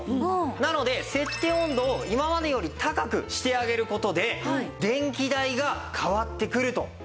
なので設定温度を今までより高くしてあげる事で電気代が変わってくるというわけなんですね。